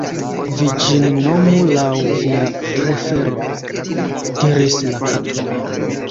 "Vi ĝin nomu laŭ via prefero," diris la Kato.